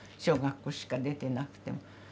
小学校しか出てなくても。